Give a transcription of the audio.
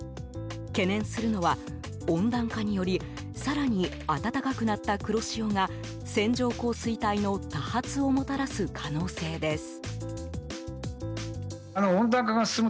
懸念するのは温暖化により更に暖かくなった黒潮が線状降水帯の多発をもたらす可能性です。